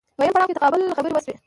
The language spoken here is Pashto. دویم پړاو کې تقابل خبرې وشوې